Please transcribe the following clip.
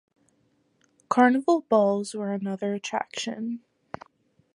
Carnival balls were another attraction.